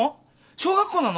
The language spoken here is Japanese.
小学校なの？